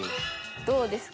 どうですか？